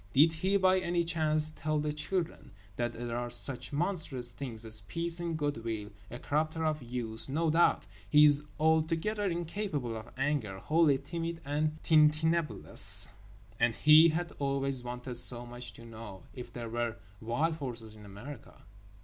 Did he, by any chance, tell the children that there are such monstrous things as peace and good will … a corrupter of youth, no doubt … he is altogether incapable of anger, wholly timid and tintinnabulous. And he had always wanted so much to know—if there were wild horses in America?